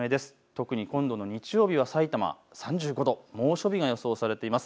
特に今度の日曜日はさいたま３５度、猛暑日が予想されています。